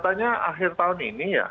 katanya akhir tahun ini ya